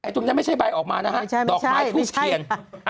ตรงนี้ไม่ใช่ใบออกมานะฮะดอกไม้ทูบเทียน